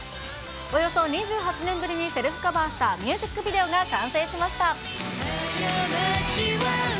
およそ２８年ぶりにセルフカバーしたミュージックビデオが完成しました。